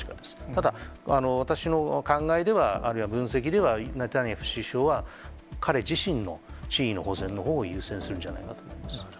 ただ、私の考えでは、あるいは分析では、ネタニヤフ首相は、彼自身の地位の保全のほうを優先するんじゃないかと思います。